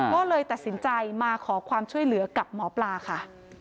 ก็เลยตัดสินใจมาขอความช่วยเหลือกับหมอปลาค่ะ